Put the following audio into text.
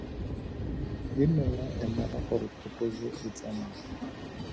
E ne ya emela gore Phokojwe e tsamaye.